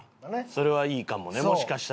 それはいいかもねもしかしたら。